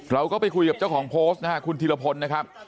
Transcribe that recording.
เราก็ไปคุยกับเจ้าของโพสต์นะครับคุณธีรพลนะครับ